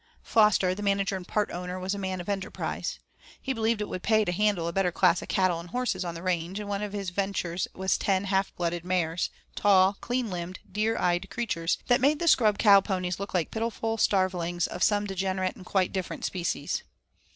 Foster, the manager and part owner, was a man of enterprise. He believed it would pay to handle a better class of cattle and horses on the range, and one of his ventures was ten half blooded mares, tall, clean limbed, deer eyed creatures that made the scrub cow ponies look like pitiful starvelings of some degenerate and quite different species.